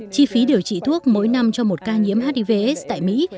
chi phí điều trị thuốc mỗi năm cho một ca nhiễm hiv aids tại mỹ